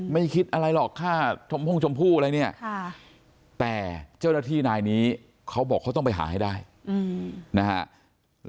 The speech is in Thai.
ไม่คิดอะไรหรอกฆ่าชมพงชมพู่อะไรเนี่ยแต่เจ้าหน้าที่นายนี้เขาบอกเขาต้องไปหาให้ได้นะฮะ